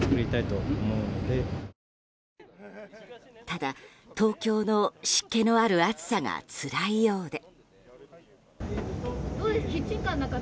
ただ、東京の湿気のある暑さがつらいようで。